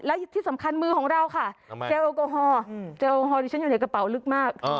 และที่สำคัญมือของเราค่ะเจลแอลกอฮอล์เจลฮอลที่ฉันอยู่ในกระเป๋าลึกมาก